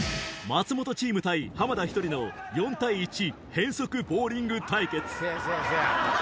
松本チーム対浜田１人の４対１変則ボウリング対決